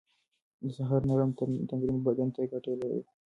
د سهار نرم تمرين بدن ته ګټه لري.